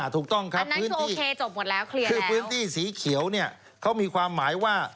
ถูกต้องครับพื้นที่คือพื้นที่สีเขียวนี่เขามีความหมายว่า